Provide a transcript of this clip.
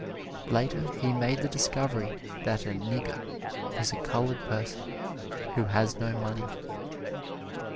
Later he made the discovery that a "nigger" is a colored person who has no money.